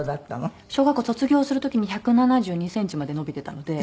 小学校を卒業する時に１７２センチまで伸びてたので。